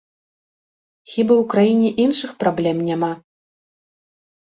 Хіба ў краіне іншых праблем няма?